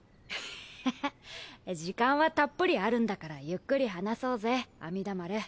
ハハッ時間はたっぷりあるんだからゆっくり話そうぜ阿弥陀丸。